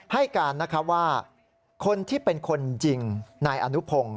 ให้การว่าคนที่เป็นคนยิงนายอนุพงศ์